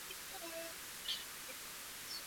hawako lakini kunakuwa na watu ambao wanatumua